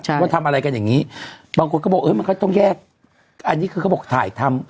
ใช่ว่าทำอะไรกันอย่างงี้บางคนก็บอกเออมันก็ต้องแยกอันนี้คือเขาบอกถ่ายทำ